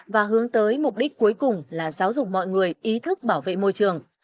và hướng tới mục đích cuối cùng là giáo dục mọi người ý thức bảo vệ môi trường